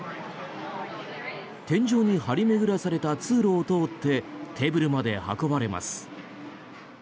天井に張り巡らされた通路を通ってテーブルまで運ばれます。